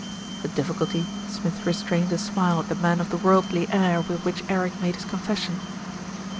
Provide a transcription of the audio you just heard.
With difficulty Smith restrained a smile at the man of the worldly air with which Eric made his confes sion.